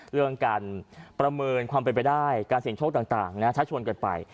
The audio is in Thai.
เรื่องการประเมินความเป็นไปได้การเสี่ยงโชคต่างชักชวนกันไป